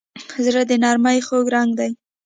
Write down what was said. زړه د نرمۍ خوږ رنګ دی.